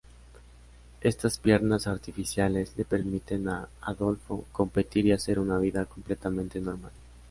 Estas piernas artificiales le permiten a Adolfo competir y hacer una vida completamente normal.